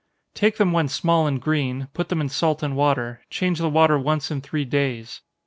_ Take them when small and green put them in salt and water change the water once in three days.